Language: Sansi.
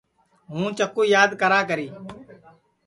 ہُوں چکُو یاد کراکری